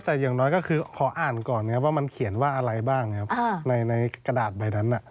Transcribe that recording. แต่อย่างน้อยก็คือขออ่านก่อนนะครับว่ามันเขียนว่าอะไรบ้างนะครับในกระดาษใบนั้น